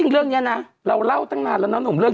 เรามันเหล่าว่าตั้งแต่นู้น